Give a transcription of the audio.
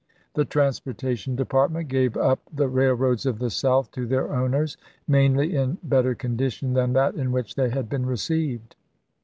The transportation department gave up the rail roads of the South to their owners, mainly in better condition than that in which they had been received.